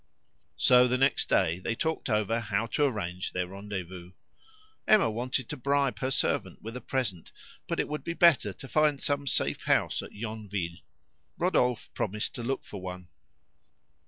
So the next day they talked over how to arrange their rendezvous. Emma wanted to bribe her servant with a present, but it would be better to find some safe house at Yonville. Rodolphe promised to look for one.